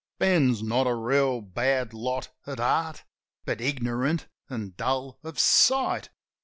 "Ben's not a reel bad lot at heart, But ignorant an' dull of sight.